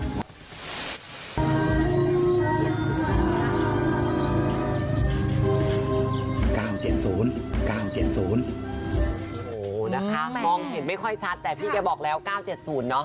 โอ้โหนะคะมองเห็นไม่ค่อยชัดแต่พี่แกบอกแล้ว๙๗๐เนอะ